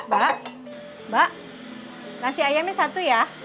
mbak mbak nasi ayamnya satu ya